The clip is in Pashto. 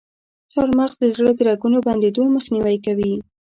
چارمغز د زړه د رګونو بندیدو مخنیوی کوي.